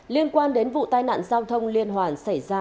liên quan đến vụ tai nạn giao thông liên hoàn xảy ra